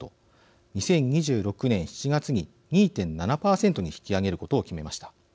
２０２６年７月に２．７％に引き上げることを決めました。